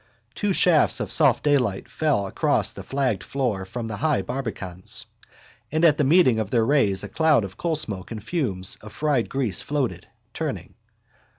Two shafts of soft daylight fell across the flagged floor from the high barbacans: and at the meeting of their rays a cloud of coalsmoke and fumes of fried grease floated, turning.